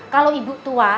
kalau ibu tua